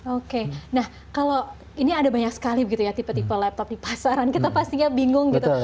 oke nah kalau ini ada banyak sekali begitu ya tipe tipe laptop di pasaran kita pastinya bingung gitu